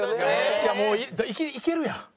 いやもういけるやん？